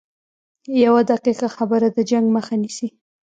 یوه دقیقه خبره د جنګ مخه نیسي